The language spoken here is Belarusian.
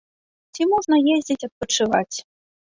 Ці можна ездзіць адпачываць.